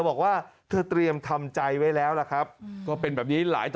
บอกว่าเธอเตรียมทำใจไว้แล้วล่ะครับก็เป็นแบบนี้หลายต่อ